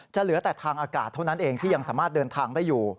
เหลือแต่ทางอากาศเท่านั้นเองที่ยังสามารถเดินทางได้อยู่